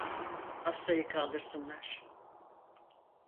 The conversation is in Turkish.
Hastayı kaldırsınlar.